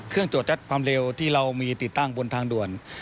ตรวจยัดความเร็วที่เรามีติดตั้งบนทางด่วน